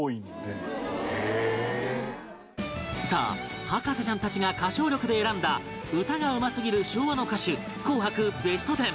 さあ博士ちゃんたちが歌唱力で選んだ歌がうますぎる昭和の歌手紅白ベストテン